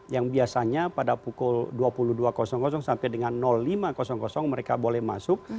yang biasanya pada pukul dua puluh dua sampai dengan lima mereka boleh masuk